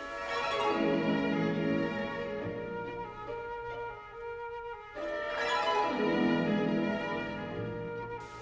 quần thể thắng